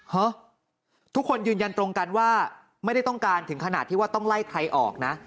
ฮะทุกคนยืนยันตรงกันว่าไม่ได้ต้องการถึงขนาดที่ว่าต้องไล่ใครออกนะ